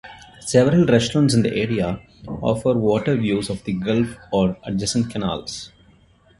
Several restaurants in the area offer water views of the gulf or adjacent canals.